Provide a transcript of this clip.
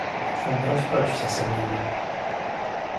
Отбрось прочь все сомнения.